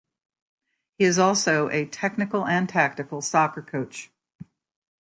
He is also a technical and tactical soccer coach.